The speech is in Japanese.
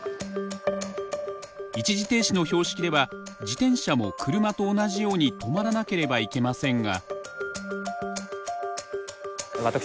一時停止の標識では自転車も車と同じように止まらなければいけませんが。